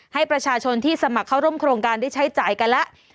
ให้ประชาชนที่สมัครเข้าร่วมโครงการได้ใช้จ่ายกันแล้ว